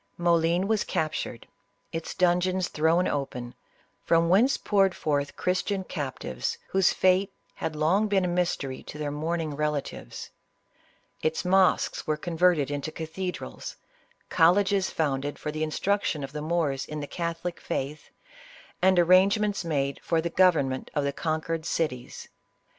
Moclin was captured ; its dungeons thrown open, from whence poured forth Christian captives, whose fate had long been a mystery to their mourning rela tives ; its mosques were converted into cathedrals, col leges founded for the instruction of the Moors in the catholic faith, and arrangements made for the govern ment of the conquered cities.